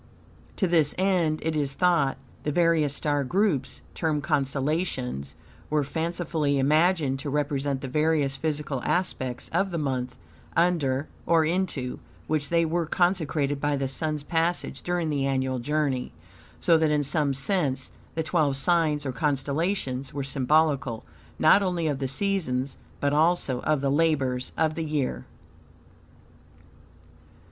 To this end, IT IS THOUGHT, the various star groups, termed constellations, were fancifully imagined to represent the various physical aspects of the month, under, or into, which they were consecrated by the Sun's passage during the annual journey, so that, in some sense, the, twelve signs or constellations were symbolical, not only of the seasons, but also of the labors of the year.